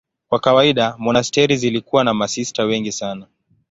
Kwa kawaida monasteri zilikuwa na masista wengi sana.